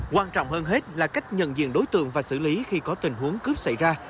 quan trọng hơn hết là cách nhận diện đối tượng và xử lý khi có tình huống cướp xảy ra